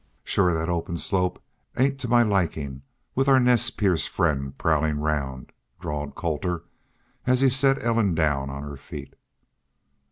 "Shore. That open slope ain't to my likin', with our Nez Perce friend prowlin' round," drawled Colter, as he set Ellen down on her feet.